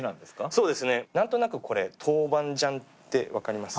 そうですね何となくこれ豆板醤って分かります？